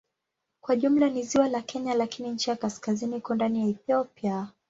Kwa jumla ni ziwa la Kenya lakini ncha ya kaskazini iko ndani ya Ethiopia.